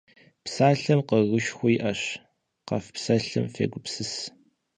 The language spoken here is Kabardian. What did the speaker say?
Псалъэм къэруушхуэ иӏэщ, къэфпсэлъым фегупсыс.